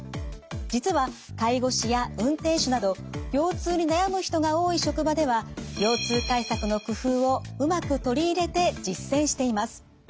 実は介護士や運転手など腰痛に悩む人が多い職場では腰痛対策の工夫をうまく取り入れて実践しています。